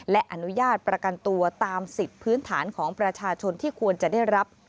และอนุญาตประกันตัวตามสิทธิ์พื้นฐานของประชาชนที่ควรจะได้รับ